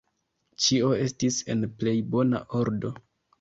Ĉio estis en plej bona ordo.